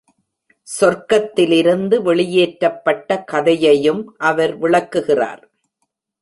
சொர்க்கத்திலிருந்து வெளியேற்றப்பட்ட கதையையும் அவர் விளக்குகிறார்.